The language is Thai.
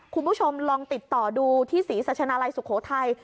คุณผู้ชมลองติดต่อดูที่ศรีสัชนาลัยสุโขทัย